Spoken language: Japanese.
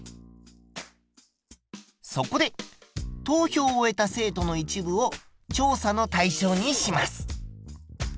そこで投票を終えた生徒の一部を調査の対象にします。